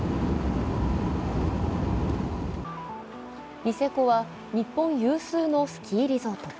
ニセコは日本有数のスキーリゾート。